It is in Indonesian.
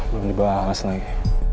belum dibalas lagi